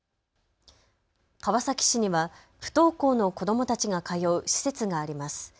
川崎市には不登校の子どもたちが通う施設があります。